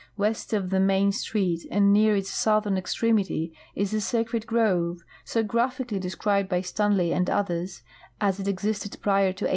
West of the main street and near its southern extremity' is the Sacred Grove, so grapliically described by Stanley and others, as it existed prior to 1874.